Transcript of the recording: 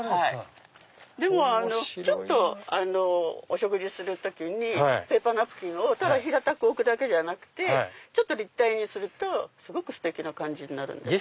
お食事する時にペーパーナプキンをただ平たく置くだけじゃなくてちょっと立体にするとすごくステキな感じになるんです。